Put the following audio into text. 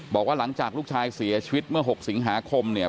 บอกว่าหลังจากลูกชายเสียชีวิตเมื่อ๖สิงหาคมเนี่ย